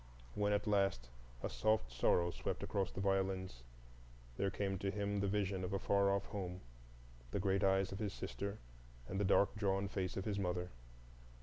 When at last a soft sorrow crept across the violins, there came to him the vision of a far off home, the great eyes of his sister, and the dark drawn face of his mother.